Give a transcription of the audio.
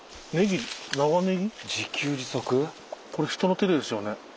これ人の手でですよね。